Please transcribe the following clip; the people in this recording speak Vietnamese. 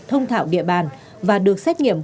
thông thảo địa bàn và được xét nghiệm